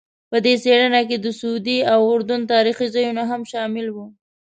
په دې څېړنه کې د سعودي او اردن تاریخي ځایونه هم شامل وو.